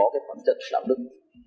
có khoản chất đạo đức